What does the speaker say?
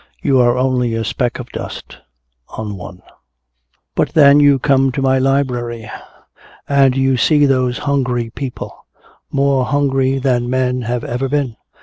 You are only a speck of dust on one. "But then you come to my library. And you see those hungry people more hungry than men have ever been.